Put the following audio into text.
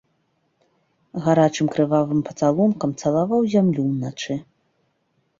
Гарачым крывавым пацалункам цалаваў зямлю ўначы.